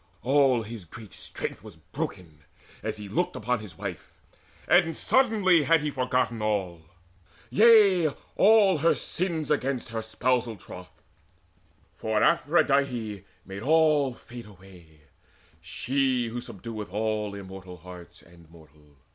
All his great strength Was broken, as he looked upon his wife. And suddenly had he forgotten all Yea, all her sins against her spousal troth; For Aphrodite made all fade away, She who subdueth all immortal hearts And mortal.